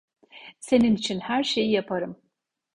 Senin için her şeyi yaparım.